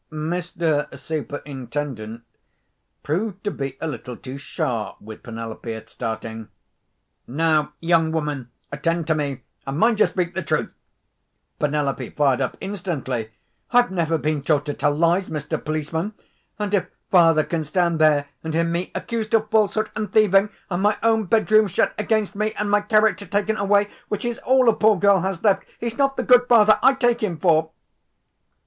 Mr. Superintendent proved to be a little too sharp with Penelope at starting. "Now, young woman, attend to me, and mind you speak the truth." Penelope fired up instantly. "I've never been taught to tell lies Mr. Policeman!—and if father can stand there and hear me accused of falsehood and thieving, and my own bedroom shut against me, and my character taken away, which is all a poor girl has left, he's not the good father I take him for!"